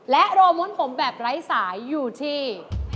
และโรม้นผมแบบไร้สายอยู่ที่